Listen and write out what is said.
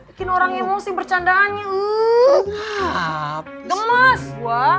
bikin orang emosi bercandaannya